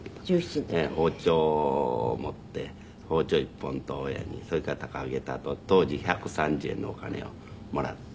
包丁持って包丁１本とそれから高下駄と当時１３０円のお金をもらって。